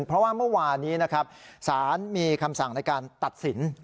เพราะว่าเมื่อวานนี้นะครับสารมีคำสั่งในการตัดสิน